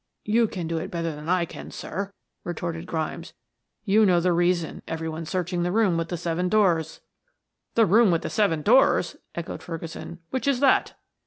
"You can do it better than I can, sir," retorted Grimes. "You know the reason every one's searching the room with the seven doors." "The room with the seven doors!" echoed Ferguson. "Which is that?"